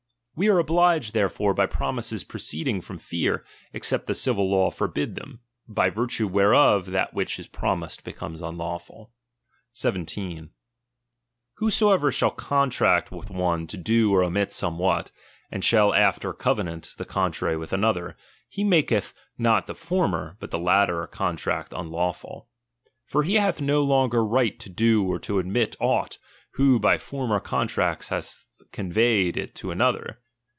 We are obliged, there fore, by promises proceeding from fear, except the civil law forbid them ; by virtue whereof, that which is promised becomes unlawful. mi"^diL angthe ^7 Whosocver shall contract with one to do or fiirmer.iBiiiraiid. omit somcwliat, and shall after covenant the con trary with another, he maketh not the former ,^but the latter contract unlavrful. For he hath no longer right to do or to omit aught, who by former con tracts hath conveyed it to another.